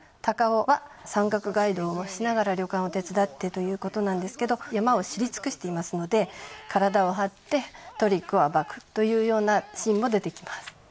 孝夫は山岳ガイドをしながら旅館を手伝ってということなんですけど山を知り尽くしていますので体を張ってトリックを暴くというようなシーンも出てきます。